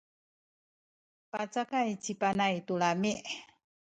pacakay ci Panay tu lami’.